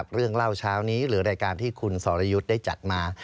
เรื่องเล่าเช้านี้หรือรายการที่คุณสรยุทธ์ได้จัดมา